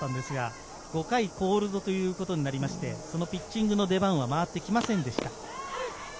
５回コールドということになりまして、そのピッチングの出番は回ってきませんでした。